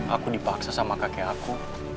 aku dipaksa sama kakek aku